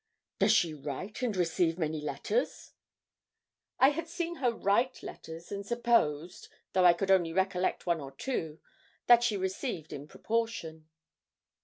'Does she write and receive many letters?' I had seen her write letters, and supposed, though I could only recollect one or two, that she received in proportion.